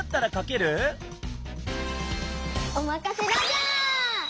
おまかせラジャー！